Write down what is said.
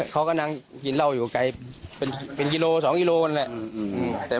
เขามีปัญหากันก่อนอยู่แล้ว